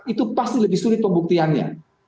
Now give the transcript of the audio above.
itu pasti lebih sulit pembuktiannya